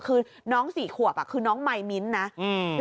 คือน้องสี่ขวบอ่ะคือน้องมายมิ้นท์นะอืม